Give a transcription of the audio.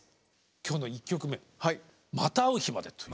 今日の１曲目「また逢う日まで」という。